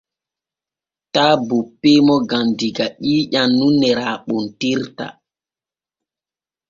Taa bonpen mo gam diga ƴiiƴan nun ne raaɓontirta.